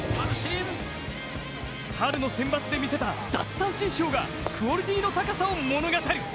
春のセンバツで見せた奪三振ショーがクオリティーの高さを物語る。